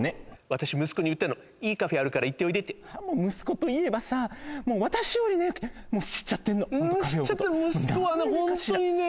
私息子に言ったのいいカフェあるから行っておいでって息子といえばさもう私よりねもう知っちゃってんのうん知っちゃってる息子はね